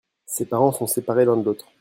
ses parents sont séparés l'un de l'autre.